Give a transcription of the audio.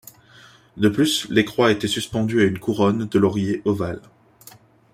De plus, les croix étaient suspendues à une couronne de laurier ovale.